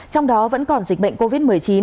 trong đó vẫn còn dịch bệnh covid một mươi chín